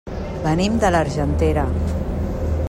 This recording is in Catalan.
Venim de l'Argentera.